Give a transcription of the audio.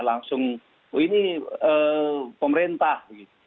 langsung ini pemerintah